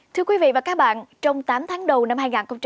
thưa quý vị và các bạn trong tám tháng đầu năm hai nghìn một mươi chín